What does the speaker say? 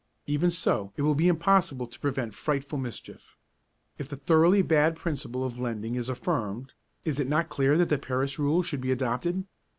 Even so it will be impossible to prevent frightful mischief. If the thoroughly bad principle of lending is affirmed, is it not clear that the Paris rule should be adopted?